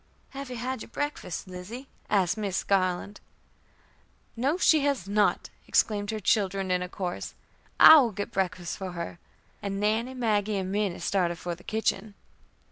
"Have you had your breakfast, Lizzie?" asked Mrs. Garland. "No, she has not," exclaimed her children in a chorus. "I will get her breakfast for her," and Nannie, Maggie, and Minnie started for the kitchen.